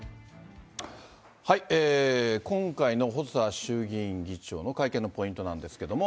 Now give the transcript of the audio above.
今回の細田衆議院議長の会見のポイントなんですけども。